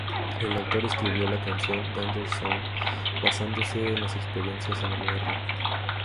El autor escribió la canción "Danger Zone" basándose en las experiencias en el barrio.